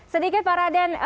sedikit pak raden